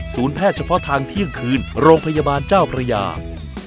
แพทย์เฉพาะทางเที่ยงคืนโรงพยาบาลเจ้าพระยา